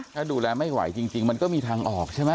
ถ้าดูแลไม่ไหวจริงมันก็มีทางออกใช่ไหม